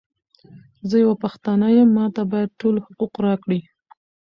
زۀ یوه پښتانه یم، ماته باید ټول حقوق راکړی!